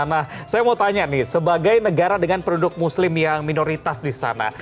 nah saya mau tanya nih sebagai negara dengan penduduk muslim yang minoritas di sana